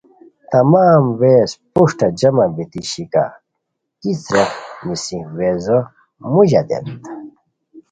تمام ویز پروشٹہ جمع بیتی شیکہ ای څریخ نیسی ویزو موژہ دیت